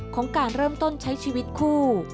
ของการเริ่มต้นใช้ชีวิตคู่